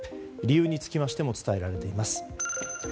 理由につきましても伝えられています。